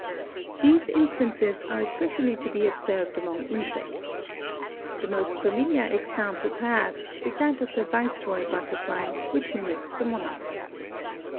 These instances are especially to be observed among insects. The most famil iar example perhaps is that of the Viceroy butterfly, which mimics the Monarch.